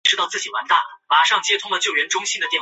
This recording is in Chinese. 迁武学博士。